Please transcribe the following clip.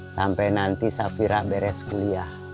sampai nanti safira beres kuliah